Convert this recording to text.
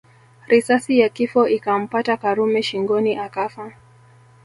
Risasi ya kifo ikampata Karume shingoni akafa